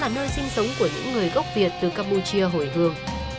vụ án là nơi sinh sống của những người gốc việt từ campuchia hồi hương